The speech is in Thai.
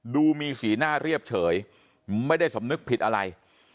ดูมีสีหน้าเรียบเฉยไม่ได้สำนึกผิดอะไร